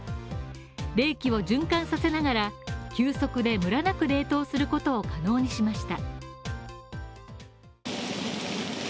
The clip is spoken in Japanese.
冷気を循環させながら急速でむらなく冷凍することを可能にしました。